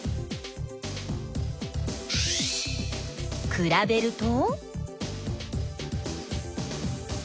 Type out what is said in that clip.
くらべると？